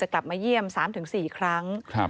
กลับมาเยี่ยม๓๔ครั้ง